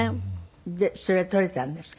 でそれは取れたんですか？